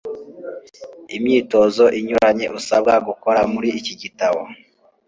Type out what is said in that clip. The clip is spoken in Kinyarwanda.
Imyitozo inyuranye usabwa gukora Muri iki gitabo